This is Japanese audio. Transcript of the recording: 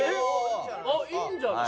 いいんじゃない？